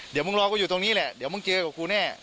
เดี๋ยวมึงรอก็อยู่ตรงนี้แหละเดี๋ยวมึงเจอกับกูแน่